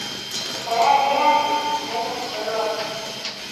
tairi yake inaweza kutolewa pumzi